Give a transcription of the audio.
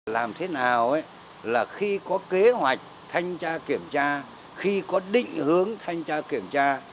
làm thế nào là khi có kế hoạch thanh tra kiểm tra khi có định hướng thanh tra kiểm tra